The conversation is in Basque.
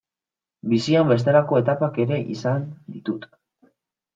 Bizian bestelako etapak ere izan ditut.